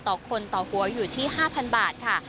ต่อคนต่อหัวอยู่ที่๕๐๐บาทค่ะ